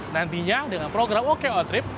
nantinya dengan program oko trip